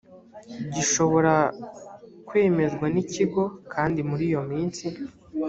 gishobora kwemezwa n ikigo kandi muri iyo minsi